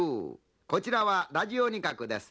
こちらはラジオ仁鶴です。